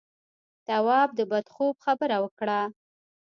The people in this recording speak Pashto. تواب د بد خوب خبره وکړه.